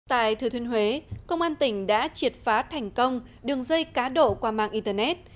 tại thừa thuyên huế công an tỉnh đã triệt phá thành công đường dây cá đổ qua mạng internet